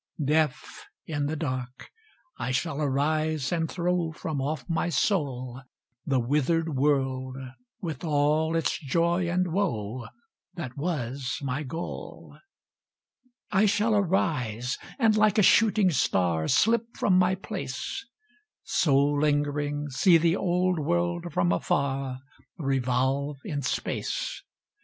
Deaf, in the dark, I shall arise and throw From off my soul, The withered world with all its joy and woe, That was my goal. I shall arise, and like a shooting star Slip from my place; So lingering see the old world from afar Revolve in space.